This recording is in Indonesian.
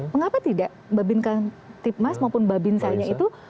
mengapa tidak mbak binka tipmas maupun mbak binsanya itu